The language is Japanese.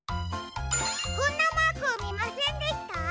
こんなマークをみませんでした？